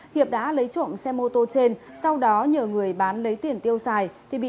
hiệp đã lấy trộm xe mô tô trên sau đó nhờ người bán lấy tiền tiêu xài